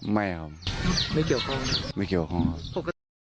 ไม่เกี่ยวข้องครับ